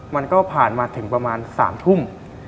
มันก็ผ่านมาถึงประมาณ๓ทุ่ม